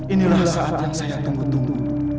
inilah saat yang saya tunggu tunggu